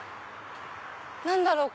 何だろう？